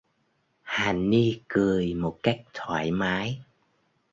Hà Ni cười một cách thoải mái